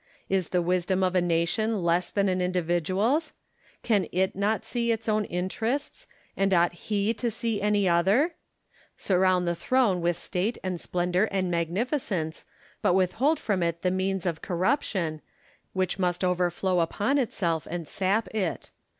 Is the wisdom of a nation less than an individual's ? Can it not see its own interests : and ought he to see any other 1 Surround the throne with state and splendour and magnificence, but with hold from it the means of corruption, which must overflow upon itself and sap it.